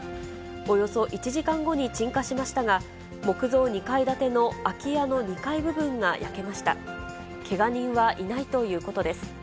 およそ１時間後に鎮火しましたが、木造２階建ての空き家の２階部分が焼けました。